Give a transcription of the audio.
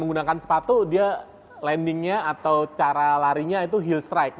dengan menggunakan sepatu dia landingnya atau cara larinya itu heel strike